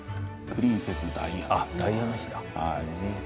プリンセスダイアナ。